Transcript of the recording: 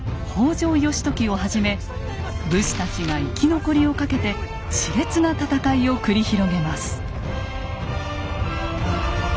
北条義時をはじめ武士たちが生き残りをかけて熾烈な戦いを繰り広げます。